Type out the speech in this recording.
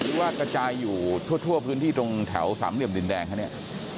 หรือว่ากระจายอยู่ทั่วพื้นที่ตรงแถวสามเหลี่ยมดินแดงคะเนี่ย